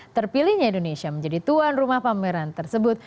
terpilihnya indonesia menjadi tuan rumah pameran tersebut